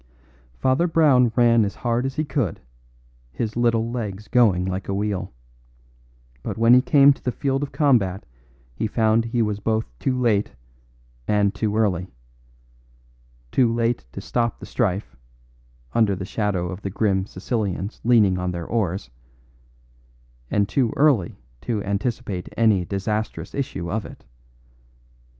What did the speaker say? Father Brown ran as hard as he could, his little legs going like a wheel. But when he came to the field of combat he found he was born too late and too early too late to stop the strife, under the shadow of the grim Sicilians leaning on their oars, and too early to anticipate any disastrous issue of it.